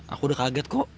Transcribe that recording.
aku udah kaget kok